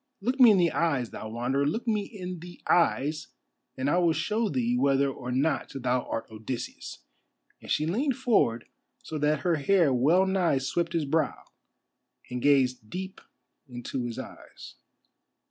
Look me in the eyes, thou Wanderer, look me in the eyes, and I will show thee whether or not thou art Odysseus," and she leaned forward so that her hair well nigh swept his brow, and gazed deep into his eyes.